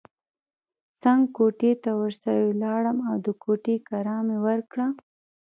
څنګ کوټې ته ورسره ولاړم او د کوټې کرایه مې ورکړل.